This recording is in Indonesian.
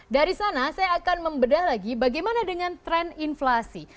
dari sana saya akan membedah lagi bagaimana dengan tren inflasi